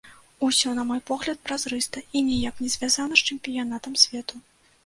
Усё, на мой погляд, празрыста і ніяк не звязана з чэмпіянатам свету.